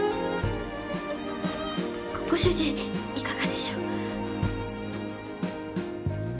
ご主人いかがでしょう？